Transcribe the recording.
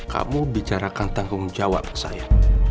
kamu bicarakan tanggung jawab saya